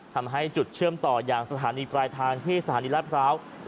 ทำให้จุดเชื่อมต่ออย่างสถานีปลายทางที่สถานีรัฐพร้าว